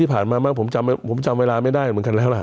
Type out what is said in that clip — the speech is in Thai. ผมจำเวลาไม่ได้เหมือนกันแล้วล่ะ